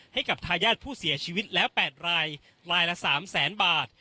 ให้กับทายาทผู้เสียชีวิตแล้ว๘รายรายละ๓แสนบาท